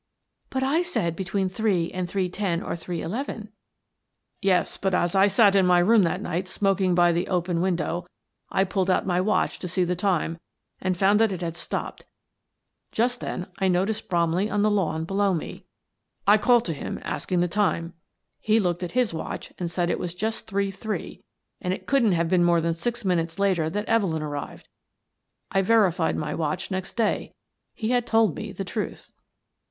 " But I said between three and three ten or three eleven." " Yes, but, as I sat in my room that night smok ing by the open window, I pulled out my watch to see the time and found that it had stopped. Just then I noticed Bromley on the lawn below me. I I^^^^H ~^^tf ^^^ "I Seem to Be Doomed" 253 called to him, asking the time. He looked at his watch and said it was just three three — and it couldn't have been more than six minutes later that Evelyn arrived. I verified my watch next day: he had told me the truth."